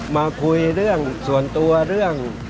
มาคุยเรื่องส่วนตัวเรื่อง